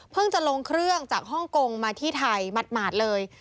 จะลงเครื่องจากฮ่องกงมาที่ไทยหมาดเลย